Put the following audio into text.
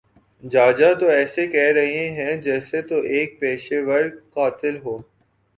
جاجا تو ایسے کہ رہا ہے جیسے تو ایک پیشہ ور قاتل ہو